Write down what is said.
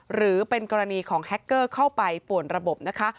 หรือเป็นกรณีของแฮคเกอร์เข้าไปป่วนระบบนะคะ